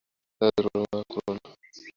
তাছাড়া, মানুষেরা দুর্বল এবং আবেগপ্রবণ।